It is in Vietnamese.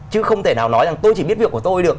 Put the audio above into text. chứ không thể nào nói rằng tôi chỉ biết việc của tôi được